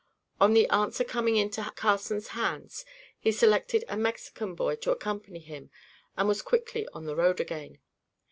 On the answer coming into Carson's hands, he selected a Mexican boy to accompany him and was quickly on the road again.